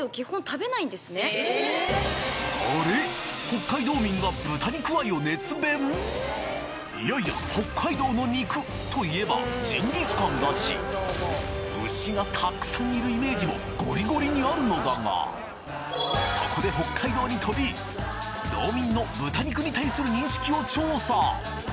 北海道民がいやいや北海道の肉といえばジンギスカンだし牛がたくさんいるイメージもゴリゴリにあるのだがそこで北海道に飛び道民の豚肉に対する認識を調査